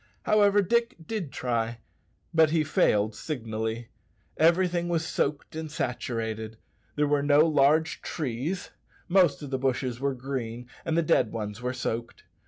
However, Dick did try, but he failed signally. Everything was soaked and saturated. There were no large trees; most of the bushes were green, and the dead ones were soaked.